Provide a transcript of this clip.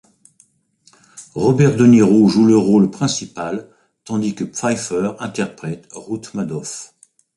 Robert De Niro joue le rôle principal, tandis que Pfeiffer interprète Ruth Madoff.